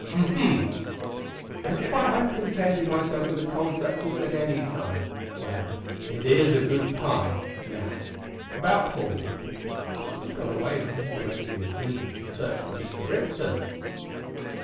"Humph! as if I hadn't contented myself with a cold breakfast at any time. Well, it is a good pie. Now about Paul?" "He has gone away with Mr Westly and Flinders to search for Mr Brixton."